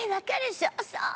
そうそう！」